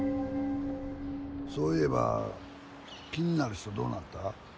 そういえば気になる人どうなった？